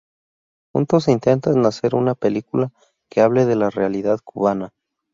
Juntos intentan hacer una película que hable de la realidad cubana.